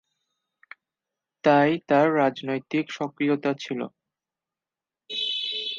তাই তার রাজনৈতিক সক্রিয়তা ছিল।